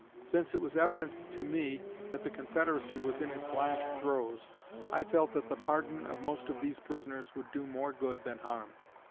Since it was evident to me that the Confederacy was in its last throes, I felt that the pardon of most of these prisoners would do more good than harm.